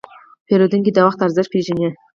پیرودونکی د وخت ارزښت پېژني.